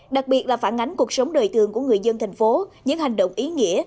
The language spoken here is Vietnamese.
đặc biệt là phản ánh cuộc sống đời thường của người dân thành phố những hành động ý nghĩa